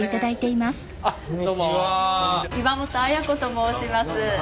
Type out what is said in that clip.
岩本綾子と申します。